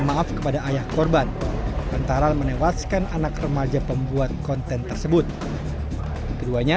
maaf kepada ayah korban tentara menewaskan anak remaja pembuat konten tersebut keduanya